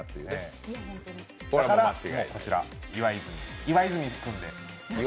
だからこちら岩泉君で。